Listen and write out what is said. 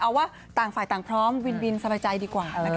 เอาว่าต่างฝ่ายต่างพร้อมวินวินสบายใจดีกว่านะคะ